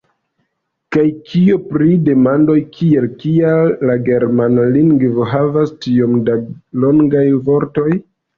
Kaj kio pri demandoj kiel Kial la germana lingvo havas tiom da longaj vortoj?